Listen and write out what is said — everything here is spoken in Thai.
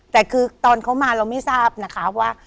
แต่คือตอนเขามาเราไม่ทราบนะคะว่า